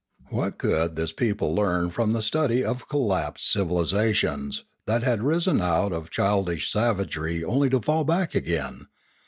What could this people learn from the study of lapsed civilisations, that had risen out of childish savagery only to fall back again